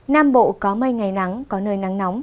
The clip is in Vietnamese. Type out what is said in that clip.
nam bộ có mây ngày nắng có nơi nắng nóng